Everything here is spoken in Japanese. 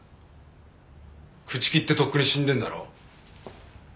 朽木ってとっくに死んでんだろ？